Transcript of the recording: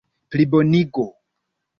plibonigo